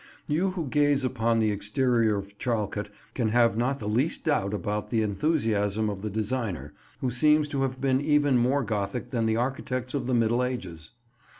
You who gaze upon the exterior of Charlecote can have not the least doubt about the enthusiasm of the designer, who seems to have been even more Gothic than the architects of the Middle Ages.